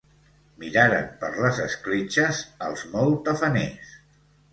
Miraren per les escletxes, els molt tafaners.